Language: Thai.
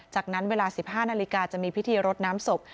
จากนั้นเวลา๑๕นาฬิกาจะมีพิธีรดน้ำศพ